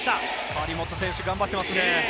張本選手が頑張っていますね。